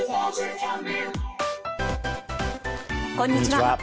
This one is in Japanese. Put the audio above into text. こんにちは。